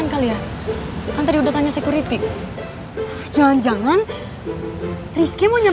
kalahkan juga diri lo